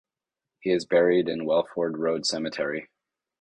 He is buried in Welford Road Cemetery.